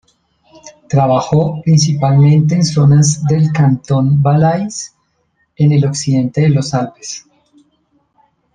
Trabajó principalmente en zonas del cantón Valais, en el occidente de los Alpes.